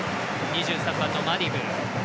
２３番のマディブー。